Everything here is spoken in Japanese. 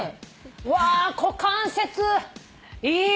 うわ股関節いいわ！